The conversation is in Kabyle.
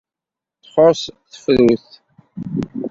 Txuṣṣ tefrut.